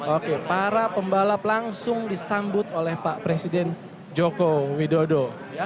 oke para pembalap langsung disambut oleh pak presiden joko widodo